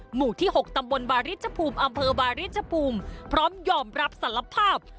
หมู่ที่๖ตำบลบาริชภูมิอำเภอบาริชภูมิพร้อมยอมรับสารภาพ